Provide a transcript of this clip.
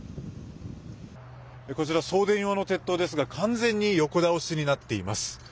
こちら、送電用の鉄塔ですが完全に横倒しになっています。